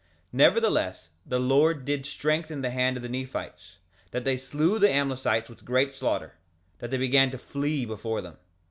2:18 Nevertheless the Lord did strengthen the hand of the Nephites, that they slew the Amlicites with great slaughter, that they began to flee before them.